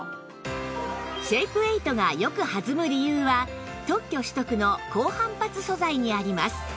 シェイプエイトがよく弾む理由は特許取得の高反発素材にあります